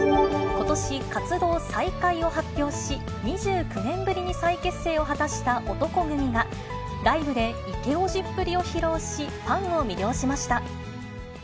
ことし活動再開を発表し、２９年ぶりに再結成を果たした男闘呼組が、ライブでイケオジっぷりを披露し、ファンを魅了しました。